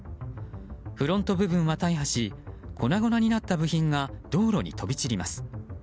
フロント部分は大破し粉々になった部品が道路に飛び散ります。